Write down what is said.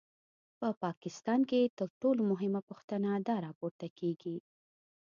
په پاکستان کې تر ټولو مهمه پوښتنه دا راپورته کېږي.